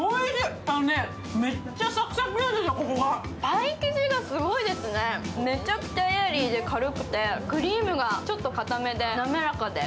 パイ生地がすごいですね、めちゃくちゃエアリーで軽くてクリームがちょっと硬めで滑らかで。